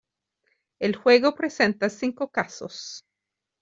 El juego presenta cinco casos.